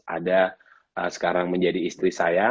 ada sekarang menjadi istri saya